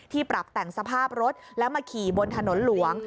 ปรับแต่งสภาพรถแล้วมาขี่บนถนนหลวง